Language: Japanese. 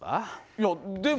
いや、でも。